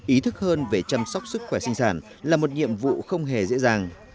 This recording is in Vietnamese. ý thức hơn về chăm sóc sức khỏe sinh sản là một nhiệm vụ không hề dễ dàng